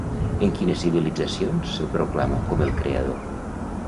En quines civilitzacions se'l proclama com "el creador"?